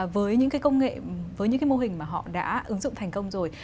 với những cái công nghệ với những cái mô hình mà họ đã ứng dụng thành công rồi